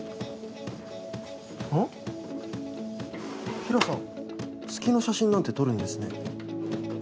平良さん月の写真なんて撮るんですね。